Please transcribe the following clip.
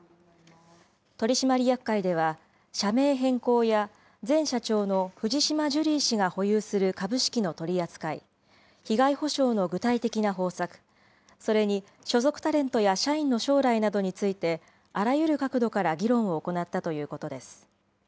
取締役会では、社名変更や、前社長の藤島ジュリー氏が保有する株式の取り扱い、被害補償の具体的な方策、それに所属タレントや社員の将来などについて、あらゆる角度から議論を行ったということです。